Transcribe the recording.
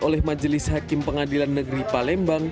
oleh majelis hakim pengadilan negeri palembang